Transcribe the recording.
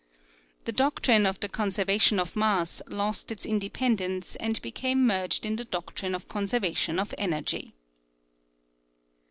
The doctrine of the conserva tion of mass lost its independence and became merged in the doctrine of conservation of energy.